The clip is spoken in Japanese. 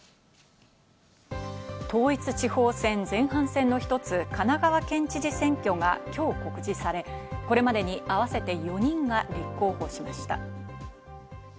統一地方選前半戦の一つ、神奈川県知事選挙が今日告示され、これまでに合わせて４人が立候補しました。